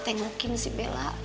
tengokin si bella